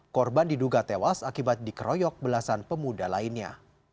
korban diduga tewas akibat dikeroyok belasan pemuda lainnya